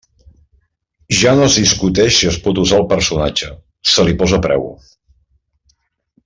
Ja no es discuteix si es pot usar el personatge, se li posa preu.